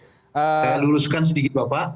saya luluskan sedikit bapak